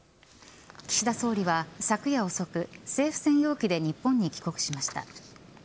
岸田総理は昨夜遅く政府専用機で日本に帰国しました。